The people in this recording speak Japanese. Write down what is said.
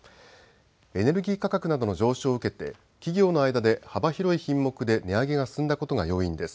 エネルギー価格などの上昇を受けて企業の間で幅広い品目で値上げが進んだことが要因です。